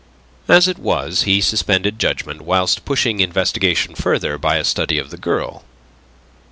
As it was, he suspended judgment whilst pushing investigation further by a study of the girl.